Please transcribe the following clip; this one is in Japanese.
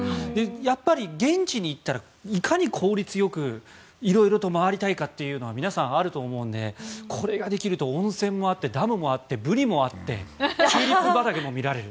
やっぱり現地に行ったらいかに効率よく色々と回りたいかというのは皆さんあると思うのでこれができると温泉もあってダムもあってブリもあってチューリップ畑も見られる。